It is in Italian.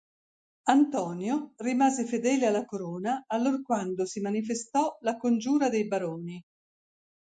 Antonio rimase fedele alla corona allorquando si manifestò la congiura dei baroni.